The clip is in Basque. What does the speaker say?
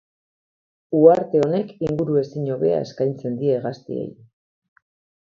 Uharte honek inguru ezin hobea eskaintzen die hegaztiei.